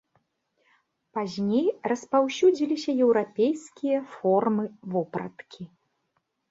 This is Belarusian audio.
Пазней распаўсюдзіліся еўрапейскія формы вопраткі.